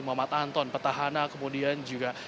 muhammad anton petahana kemudian juga